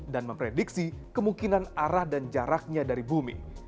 dan memprediksi kemungkinan arah dan jaraknya dari bumi